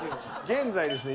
現在ですね